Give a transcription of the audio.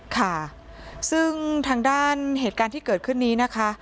ค่ะซึ่งทางด้านเหตุการณ์ที่เกิดขึ้นนี้นะคะ